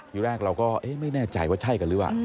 ทีแรกเราก็เอ๊ะไม่แน่ใจว่าใช่กันหรือเปล่า